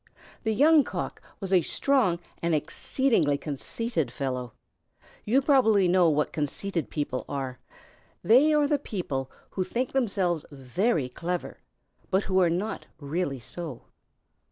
The Young Cock was a strong and exceedingly conceited fellow. You probably know what conceited people are. They are the people who think themselves very clever, but who are not really so.